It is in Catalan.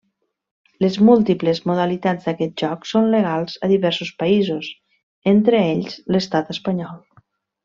Les múltiples modalitats d'aquest joc són legals a diversos països –entre ells, l'estat espanyol-.